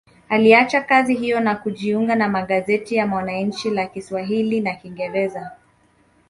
Aliacha kazi hiyo na kujiunga na magazeti ya Mwananchi la Kiswahili na kingereza